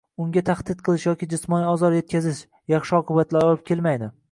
unga tahdid qilish yoki jismoniy ozor yetkazish, yaxshi oqibatlarga olib kelmaydi.